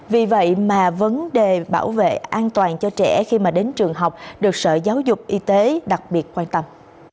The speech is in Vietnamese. vì vậy mà vấn đề bảo vệ an toàn cho trẻ khi mà đến trường học được sở giáo dục y tế đặc biệt quan tâm